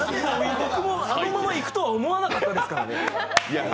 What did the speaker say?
僕も、あのままいくとは思わなかったですからね。